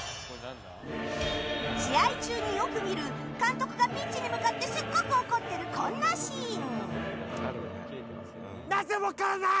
試合中によく見る監督がピッチに向かってすごく怒ってる、こんなシーン。